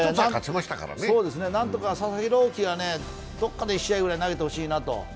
なんとか佐々木朗希がどこかで１試合ぐらい投げてほしいなと。